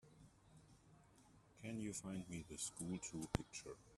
Can you find me the SchoolTool picture?